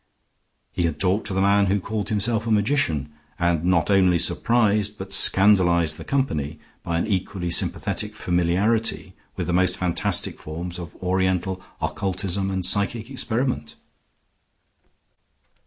He had talked to the man who called himself a magician, and not only surprised but scandalized the company by an equally sympathetic familiarity with the most fantastic forms of Oriental occultism and psychic experiment.